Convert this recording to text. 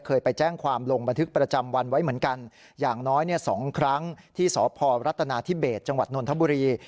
เคยไปแจ้งความลงบันทึกประจำวันไว้เหมือนกันอย่างน้อย๒ครั้งที่สพรัฐนาธิเบสจังหวัดนนทบุรี